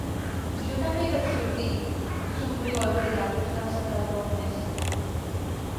Jo també hi vaig sortir, somriu el guia acostant-se cada cop més.